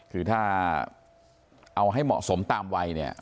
คือถ้าเอาให้เหมาะสมตามวัยเนี่ย